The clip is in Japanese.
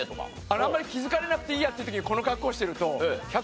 あんまり気づかれなくていいやって時この格好してると。